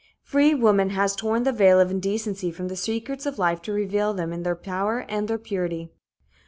Free woman has torn the veil of indecency from the secrets of life to reveal them in their power and their purity.